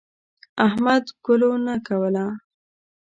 احمد ګلو نه کوله.